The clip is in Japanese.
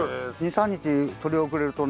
２３日取り遅れるとね